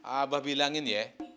abah bilangin ya